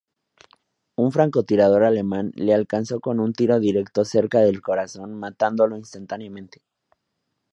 Un francotirador alemán le alcanzó con un tiro directo cerca del corazón, matándolo instantáneamente.